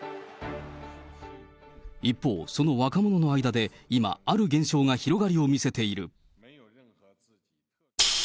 一方、その若者の間で今、ある現象が広がりを見せている。